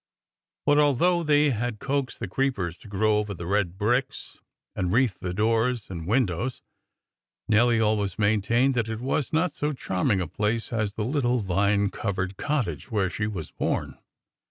But although they had coaxed the creepers to grow over the red bricks, and wreathe the doors and windows, Nelly always maintained that it was not so charming a place as the little vine covered cottage where she was born.